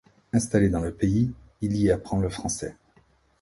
Installé dans le pays, il y apprend le français.